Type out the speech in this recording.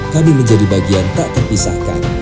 kami menjadi bagian tak terpisahkan